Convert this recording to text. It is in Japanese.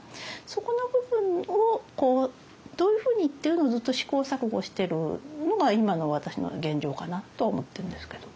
そこの部分をどういうふうにっていうのをずっと試行錯誤してるのが今の私の現状かなと思ってるんですけど。